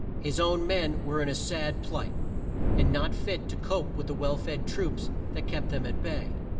His own men were in a sad plight, and not fit to cope with the well fed troops that kept them at bay.